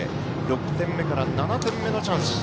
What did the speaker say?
６点目から７点目のチャンス。